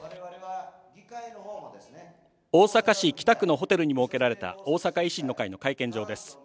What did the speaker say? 大阪市北区のホテルに設けられた大阪維新の会の会見場です。